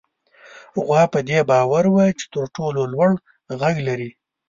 غوا په دې باور وه چې تر ټولو لوړ غږ لري.